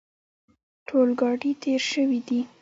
ټول ګاډي تېر شوي دي.